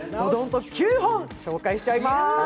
どんと９本紹介しちゃいます。